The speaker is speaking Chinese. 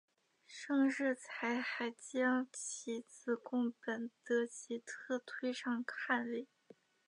盛世才还将其子恭本德吉特推上汗位。